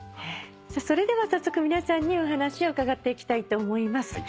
それでは早速皆さんにお話を伺っていきたいと思います。